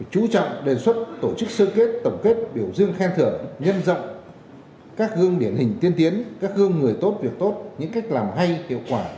chú trọng đề xuất tổ chức sơ kết tổng kết biểu dương khen thưởng nhân rộng các gương điển hình tiên tiến các gương người tốt việc tốt những cách làm hay hiệu quả